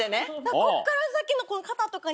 こっから先の。